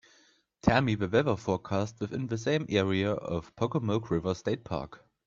Tell me the weather forecast within the same area of Pocomoke River State Park